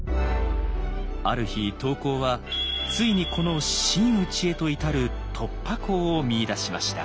ある日刀工はついにこの「真打」へと至る突破口を見いだしました。